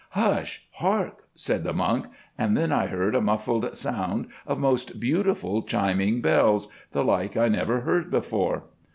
"'Hush, hark!' said the monk, and then I heard a muffled sound of most beautiful chiming bells, the like I never heard before.